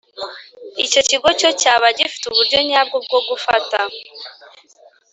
Icyo kigo cyo cyaba gifite uburyo nyabwo bwo gufata